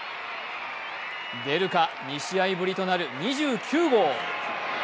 出るか、２試合ぶりとなる２９号。